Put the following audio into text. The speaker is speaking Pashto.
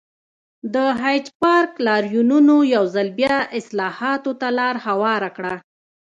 د هایډپارک لاریونونو یو ځل بیا اصلاحاتو ته لار هواره کړه.